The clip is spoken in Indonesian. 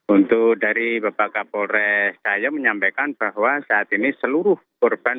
untuk dari bapak kapolres saya menyampaikan bahwa saat ini seluruh korban